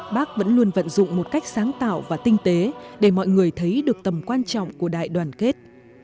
bác vẫn luôn vận dụng một cách sáng tạo và tinh tế để mọi người thấy được tầm quan trọng của đại đoàn kết